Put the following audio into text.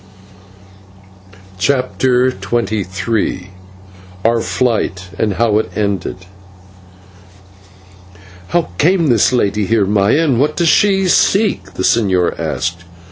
CHAPTER XXIII OUR FLIGHT, AND HOW IT ENDED "How came this lady here, Maya, and what does she seek!" the señor asked.